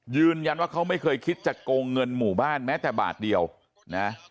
ยืนยันว่าเขาไม่เคยคิดจะโกงเงินหมู่บ้านแม้แต่บาทเดียวนะ